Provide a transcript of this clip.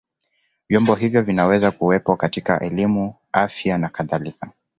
Vyombo hivyo vinaweza kuwepo katika elimu, afya na kadhalika.